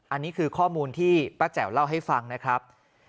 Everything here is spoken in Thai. อันนี้คือข้อมูลที่ป้าแจ๋วเล่าให้ฟังนะครับ